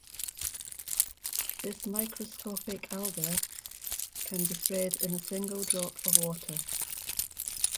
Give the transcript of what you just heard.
This microscopic alga can be spread in a single drop of water.